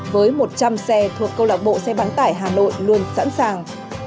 với một trăm linh xe thuộc câu lạc bộ xe bán tải hà nội luôn sẵn sàng